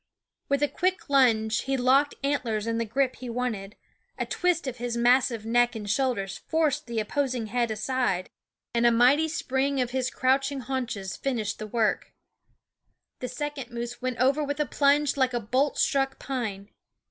With a quick lunge he locked antlers in the grip he wanted ; a twist of his massive neck and shoulders forced the opposing head aside, and a mighty spring of his crouching 9 SCHOOL OP haunches finished the work. The second 304 JIf Jfif* Sound of moose wen t over with a plunge like a bolt struck pine.